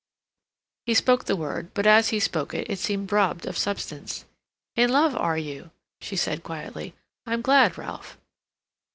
He spoke the word, but, as he spoke it, it seemed robbed of substance. "In love, are you?" she said quietly. "I'm glad, Ralph."